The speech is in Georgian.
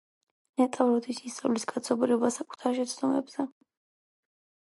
ნეტავ, როდის ისწავლის კაცობრიობა საკუთარ შეცდომებზე